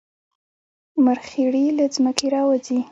مرخیړي له ځمکې راوځي